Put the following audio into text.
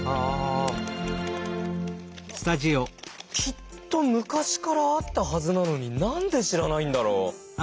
きっと昔からあったはずなのに何で知らないんだろう？